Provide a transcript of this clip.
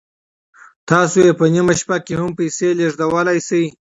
تاسو په نیمه شپه کې هم پیسې لیږدولی شئ.